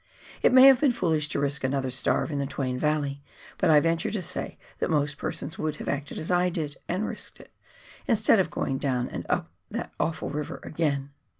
It may have been foolish to risk another starve in the Twain Valley, but I venture to say that most persons would have acted as I did — and risked it — iustead of going down and up that awful river again.